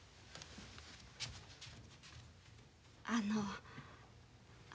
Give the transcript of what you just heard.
あの。